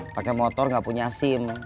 pakai motor nggak punya sim